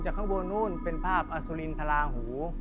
ข้างบนนู้นเป็นภาพอสุรินทราหู